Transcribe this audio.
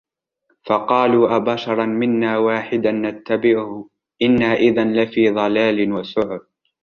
فَقَالُوا أَبَشَرًا مِنَّا وَاحِدًا نَتَّبِعُهُ إِنَّا إِذًا لَفِي ضَلَالٍ وَسُعُرٍ